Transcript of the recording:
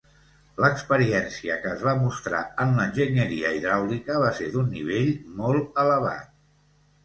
L'experiència que es va mostrar en l'enginyeria hidràulica va ser d'un nivell molt elevat.